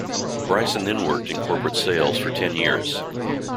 Brison then worked in corporate sales for ten years.